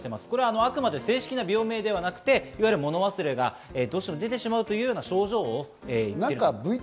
あくまで正式な病名ではなく、もの忘れがどうしても出てしまうという症状を言っています。